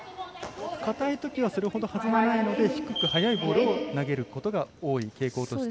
硬いときはそれほど弾まないので低く速いボールを投げることが多い、傾向として。